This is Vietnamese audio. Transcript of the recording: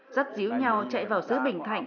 dắt díu nhau chạy vào xứ bình thạnh